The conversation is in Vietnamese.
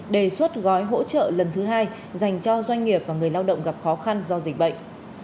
đề xuất gói hỗ trợ lần thứ hai dành cho doanh nghiệp và người lao động gặp khó khăn do dịch bệnh